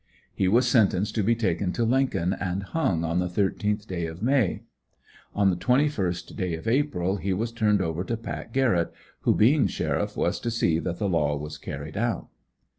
He was sentenced to be taken to Lincoln, and hung on the 13th day of May. On the 21st day of April he was turned over to Pat. Garrett, who, being sheriff, was to see that the law was carried out.